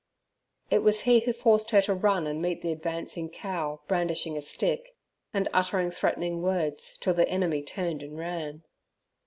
It was he who forced her to run and meet the advancing cow, brandishing a stick, and uttering threatening words till the enemy turned and ran.